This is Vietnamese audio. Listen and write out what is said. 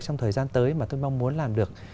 trong thời gian tới mà tôi mong muốn làm được